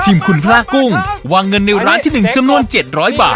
คุณพลากุ้งวางเงินในร้านที่๑จำนวน๗๐๐บาท